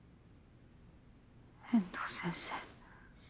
遠藤先生。